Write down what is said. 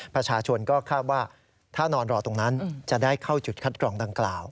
ประชาชนก็คาดว่าถ้านอนรอตรงนั้นจะได้เข้าจุดคัดกรองดังกล่าว